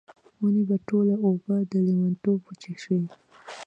ونې به ټوله اوبه، د لیونتوب وچیښي